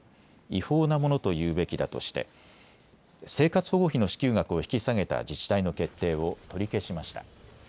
違法なものというべきだとして生活保護費の支給額を引き下げた自治体の決定を取り消しました。